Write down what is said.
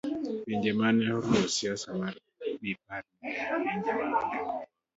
pinje mane oluwo siasa mar Bepar ne en pinje maonge wuone